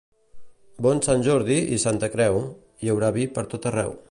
Bon Sant Jordi i Santa Creu, hi haurà vi per tot arreu.